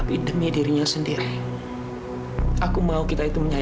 aku mau sendiri ya sekarang aku mau tinggal